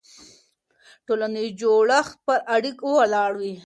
ټولنیز جوړښت پر اړیکو ولاړ وي.